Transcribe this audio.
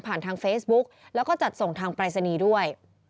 ผ่านทางเฟซบุ๊คแล้วก็จัดส่งทางไปรษณีย์ด้วย